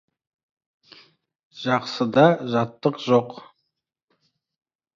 Жақсыда жаттық жоқ.